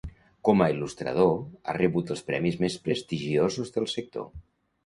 Com a il·lustrador, ha rebut els premis més prestigiosos del sector.